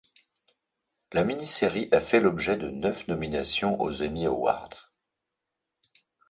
La mini-série a fait l'objet de neuf nominations aux Emmy Awards.